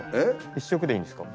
１色でいいんですか？